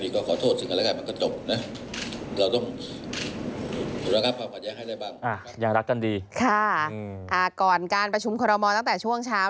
ก่อนการประชุมคอรมอลตั้งแต่ช่วงเช้า